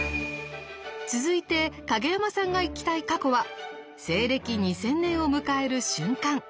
続いて影山さんが行きたい過去は西暦２０００年を迎える瞬間。